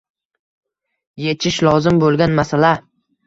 — yechish lozim bo‘lgan masala